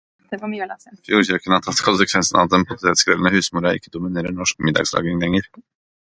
Fjordkjøkken har tatt konsekvensen av at den potetskrellende husmora ikke dominerer norsk middagslaging lenger.